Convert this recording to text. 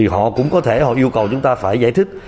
họ cũng có thể họ yêu cầu chúng ta phải giải thích